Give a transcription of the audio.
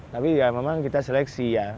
tapi ya memang kita seleksi ya